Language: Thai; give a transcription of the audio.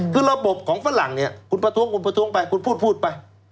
คือระบบของฝรั่งเนี่ยคุณประท้วงคุณประท้วงไปคุณพูดไป